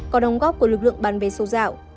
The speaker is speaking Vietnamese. có đóng góp của lực lượng bán vé số dạo